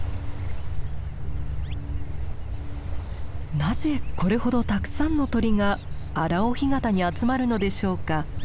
なぜこれほどたくさんの鳥が荒尾干潟に集まるのでしょうか。